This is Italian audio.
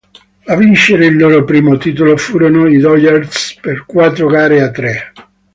A vincere il loro primo titolo furono i Dodgers per quattro gare a tre.